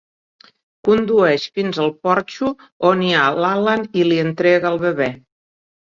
Condueix fins al porxo on hi ha l'Alan i li entrega el bebè.